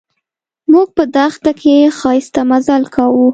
موږ په دښته کې ښایسته مزل کاوه.